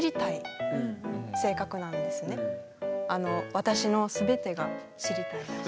私の全てが知りたい。